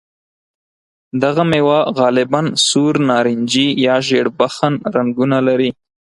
دغه مېوه غالباً سور، نارنجي یا ژېړ بخن رنګونه لري.